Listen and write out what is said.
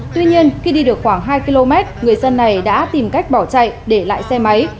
tuy nhiên khi đi được khoảng hai km người dân này đã tìm cách bỏ chạy để lại xe máy